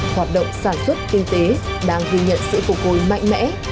hoạt động sản xuất kinh tế đang ghi nhận sự phục hồi mạnh mẽ